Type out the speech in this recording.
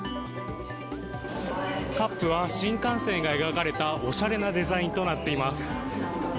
カップは新幹線が描かれたおしゃれなデザインとなっています。